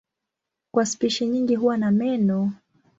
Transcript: Kwa spishi nyingi huwa na meno.